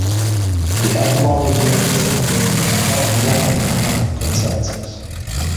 The etymology of this name is not yet a matter of consensus.